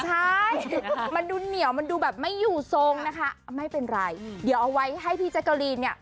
ใช่มันดูเหนียวมันดูแบบไม่อยู่ทรงนะคะไม่เป็นไรเดี๋ยวเอาไว้ให้พี่แจ๊กกะลีนเนี่ย